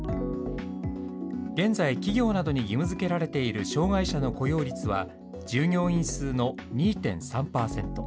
現在、企業などに義務づけられている障害者の雇用率は、従業員数の２．３％。